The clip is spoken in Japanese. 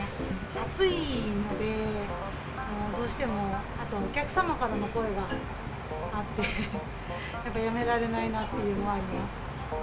暑いので、どうしてもあとお客様からの声もあって、やっぱりやめられないなというのはあります。